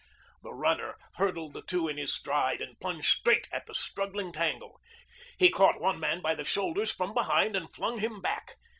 The runner hurdled the two in his stride and plunged straight at the struggling tangle. He caught one man by the shoulders from behind and flung him back.